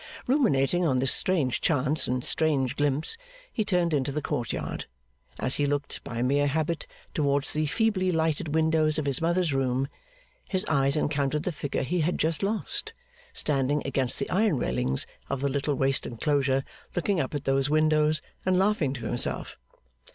Ruminating on this strange chance and strange glimpse, he turned into the court yard. As he looked, by mere habit, towards the feebly lighted windows of his mother's room, his eyes encountered the figure he had just lost, standing against the iron railings of the little waste enclosure looking up at those windows and laughing to himself.